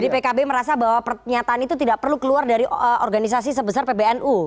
jadi pkb merasa bahwa pernyataan itu tidak perlu keluar dari organisasi sebesar pbnu